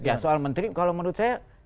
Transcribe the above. ya soal menteri kalau menurut saya